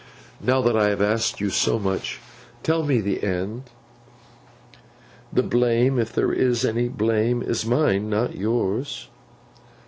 Now that I have asked you so much, tell me the end. The blame, if there is any blame, is mine, not yours.